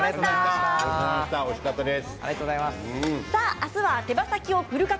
おいしかったです。